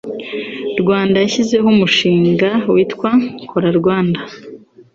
rwanda yashyizeho umushinga witwa kora rwands